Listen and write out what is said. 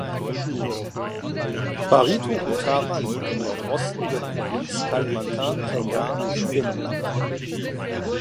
Barito Utara liegt im Nordosten der Provinz Kalimantan Tengah im Binnenland.